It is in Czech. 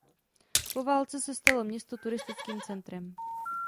Po válce se stalo město turistickým centrem.